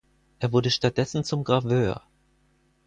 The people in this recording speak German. Er wurde stattdessen zum Graveur.